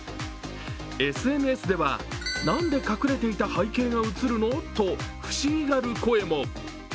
ＳＮＳでは、なんで隠れていた背景が写る？と不思議がる声も。